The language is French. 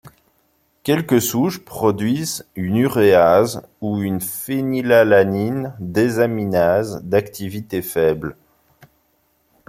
Quelques souches produisent une uréase ou une phénylalanine désaminase d'activité faible.